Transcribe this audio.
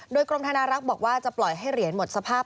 โดยกรมธนารักษ์บอกว่าจะปล่อยให้เหรียญหมดสภาพ